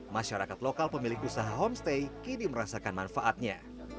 masyarakat lokal pemilik usaha homestay kini merasakan manfaatnya